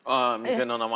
店の名前。